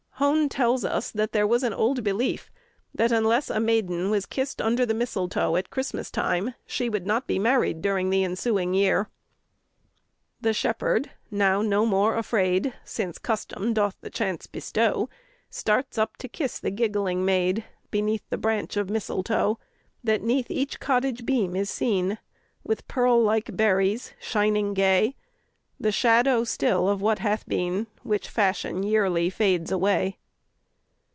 Hone tells us that there was an old belief that unless a maiden was kissed under the mistletoe at Christmas time, she would not be married during the ensuing year. The shepherd, now no more afraid, Since custom doth the chance bestow, Starts up to kiss the giggling maid Beneath the branch of mistletoe, That 'neath each cottage beam is seen, With pearl like berries, shining gay, The shadow still of what hath been, Which fashion yearly fades away.